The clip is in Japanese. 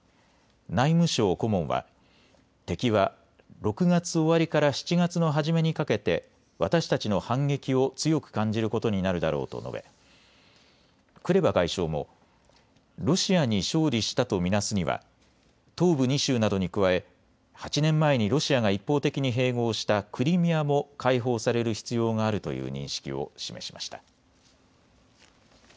内務相顧問は敵は６月終わりから７月の初めにかけて私たちの反撃を強く感じることになるだろうと述べクレバ外相もロシアに勝利したと見なすには東部２州などに加え８年前にロシアが一方的に併合したクリミアも解放される必要があるという認識を示しました。